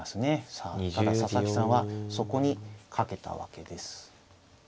さあただ佐々木さんはそこに懸けたわけです。